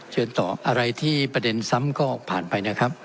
เชิญต่ออะไรที่ประเด็นซ้ำก็ผ่านไปนะครับ